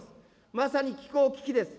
まさに気候危機です。